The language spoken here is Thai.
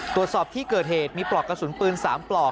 ตรวจสอบที่เกิดเหตุมีปลอกกระสุนปืน๓ปลอก